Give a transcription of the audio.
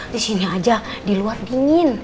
di sini aja di luar dingin